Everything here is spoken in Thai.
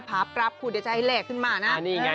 ผากราบครู่เดี๋ยวจะให้แหลกขึ้นมานะ